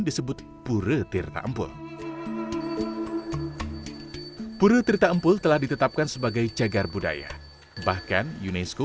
disebut pure tirta empul pura tirta empul telah ditetapkan sebagai cagar budaya bahkan unesco